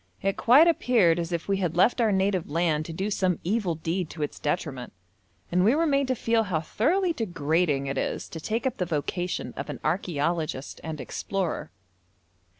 It quite appeared as if we had left our native land to do some evil deed to its detriment, and we were made to feel how thoroughly degrading it is to take up the vocation of an archæologist and explorer.